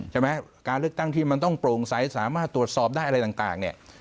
การเลือกตั้งที่มันต้องโปร่งใสสามารถตรวจสอบได้อะไรต่างเนี่ย